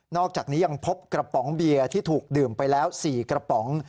อกจากนี้ยังพบกระป๋องเบียร์ที่ถูกดื่มไปแล้ว๔กระป๋อง